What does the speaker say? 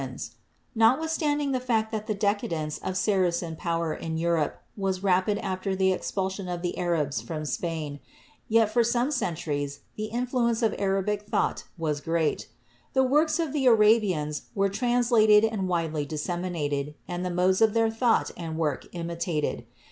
THE EARLY ALCHEMISTS 33 Notwithstanding the fact that the decadence of Saracen power in Europe was rapid after the expulsion of the Arabs from Spain, yet for some centuries the influence of Arabic thought was great. The works of the Arabians were translated and widely disseminated, and the modes of their thought and work imitated.